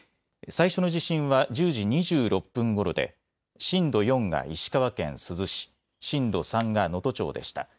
最初の地震は１０時２６分ごろで震度４が石川県珠洲市、震度３が能登町でした。